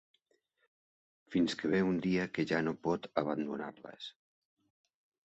Fins que ve un dia que ja no pot abandonar-les.